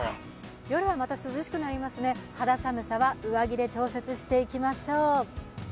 夜はまた涼しくなりますね、肌寒さは上着で調節していきましょう。